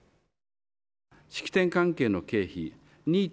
式典関係の経費